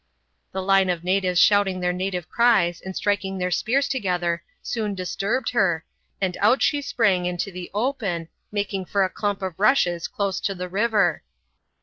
The line of natives shouting their native cries and striking their spears together soon disturbed her, and out she sprang into the open, making for a clump of rushes close to the river.